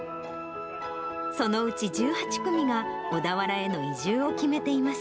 そのうち１８組が小田原への移住を決めています。